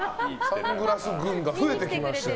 サングラス軍が増えてきました。